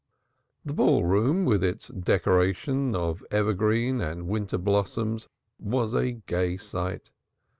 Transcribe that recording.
The ball room, with its decorations of evergreens and winter blossoms, was a gay sight.